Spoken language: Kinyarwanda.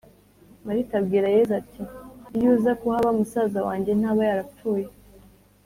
Marita abwira Yezu ati iyo uza kuhaba musaza wanjye ntaba yarapfuye